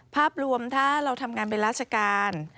ภาพรวมถ้าเราทำงานเป็นราชการ